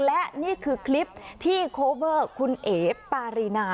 และนี่คือคลิปที่โคเวอร์คุณเอ๋ปารีนา